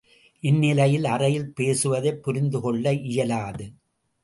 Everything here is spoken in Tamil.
இந்நிலையில் அறையில் பேசுவதைப் புரிந்து கொள்ள இயலாது.